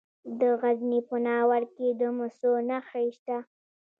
د غزني په ناور کې د مسو نښې شته.